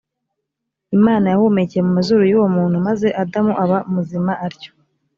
imana yahumekeye mu mazuru y ‘uwo muntu maze adamu aba muzima atyo